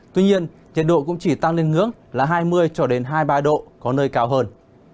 tuy nhiên nhiệt độ cũng chỉ tăng lên hướng là hai mươi hai mươi ba độ có nơi cao hơn